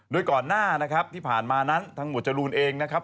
โดยก่อนหน้านะครับที่ผ่านมานั้นทางหมวดจรูนเองนะครับ